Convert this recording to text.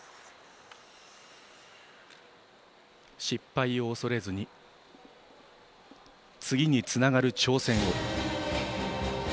失敗を恐れずに次につながる挑戦を。